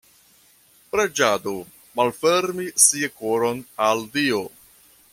Preĝado: malfermi sia koron al Dio.